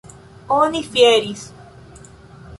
Oni fieris.